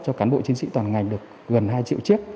cho cán bộ chiến sĩ toàn ngành được gần hai triệu chiếc